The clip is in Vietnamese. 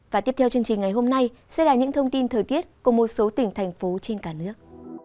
và tiếp theo chương trình ngày hôm nay sẽ là những thông tin thời tiết của một số tỉnh thành phố trên cả nước